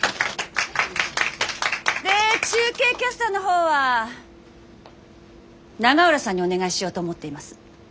で中継キャスターの方は永浦さんにお願いしようと思っています。